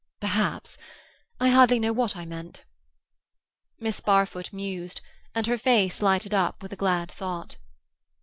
"Perhaps. I hardly know what I meant." Miss Barfoot mused, and her face lighted up with a glad thought.